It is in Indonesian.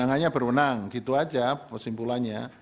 keuangannya berwenang gitu aja kesimpulannya